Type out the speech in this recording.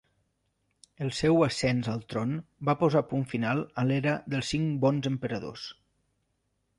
El seu ascens al tron va posar punt final a l'era dels cinc Bons Emperadors.